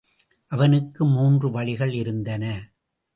அவனுக்கு மூன்று வழிகள் இருந்தன.